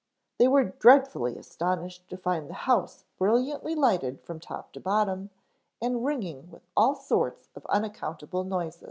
They were dreadfully astonished to find the house brilliantly lighted from top to bottom and ringing with all sorts of unaccountable noises.